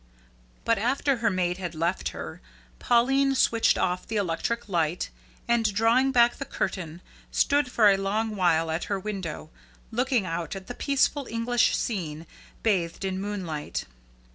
But after her maid had left her, Pauline switched off the electric light and, drawing back the curtain, stood for a long while at her window, looking out at the peaceful English scene bathed in moonlight.